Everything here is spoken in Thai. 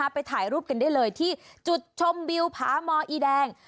ไปถ่ายรูปกันได้เลยที่จุดชมวิวผาหมออีแดง